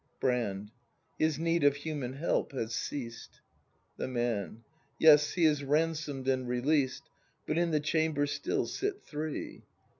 Brand. His need of human help has ceased. The Man. Yes; he is ransom'd and released; But in the chamber still sit three.